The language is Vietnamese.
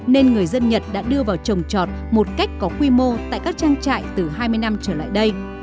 nên người dân nhật đã đưa vào trồng trọt một cách có quy mô tại các trang trại từ hai mươi năm trở lại đây